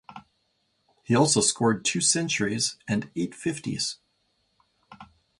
He also scored two centuries and eight fifties.